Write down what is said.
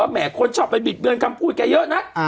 แห่คนชอบไปบิดเบือนคำพูดแกเยอะนะ